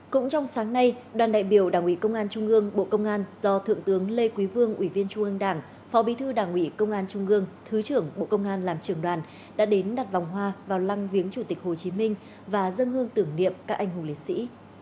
cũng trong sáng nay đoàn đại biểu đảng ủy công an trung ương bộ công an do thượng tướng lê quý vương ủy viên trung ương đảng phó bí thư đảng ủy công an trung ương thứ trưởng bộ công an làm trưởng đoàn đã đến đặt vòng hoa vào lăng viếng chủ tịch hồ chí minh và dân hương tưởng niệm các anh hùng liệt sĩ